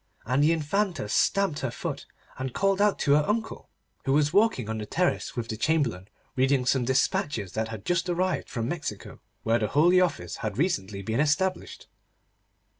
And the Infanta stamped her foot, and called out to her uncle, who was walking on the terrace with the Chamberlain, reading some despatches that had just arrived from Mexico, where the Holy Office had recently been established.